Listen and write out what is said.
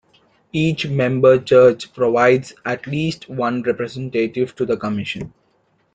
Each member church provides at least one representative to the Commission.